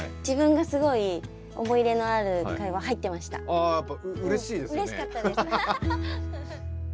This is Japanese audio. ああやっぱうれしいですよね。